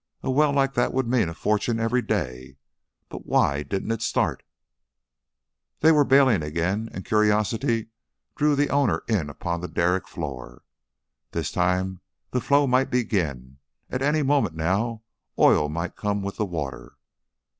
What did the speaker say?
A well like that would mean a fortune every day. But why didn't it start? They were bailing again and curiosity drew the owner in upon the derrick floor. This time the flow might begin; at any moment now oil might come with the water.